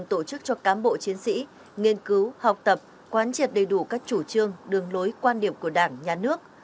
giáo sĩ nghiên cứu học tập quán triệt đầy đủ các chủ trương đường lối quan điểm của đảng nhà nước